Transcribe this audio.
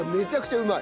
うまい。